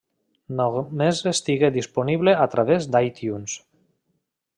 Només estigué disponible a través d'iTunes.